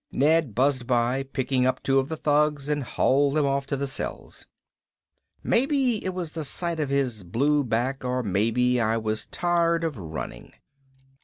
Ned buzzed by, picked up two of the thugs, and hauled them off to the cells. Maybe it was the sight of his blue back or maybe I was tired of running.